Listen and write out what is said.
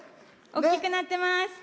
大きくなってます！